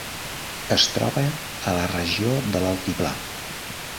Es troba a la regió de l'altiplà.